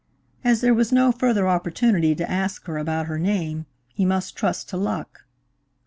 As there was no further opportunity to ask her about her name, he must trust to luck.